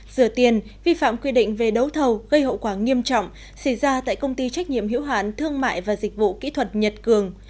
rửa tiền vi phạm quy định về đấu thầu gây hậu quả nghiêm trọng xảy ra tại công ty trách nhiệm hiểu hạn thương mại và dịch vụ kỹ thuật nhật cường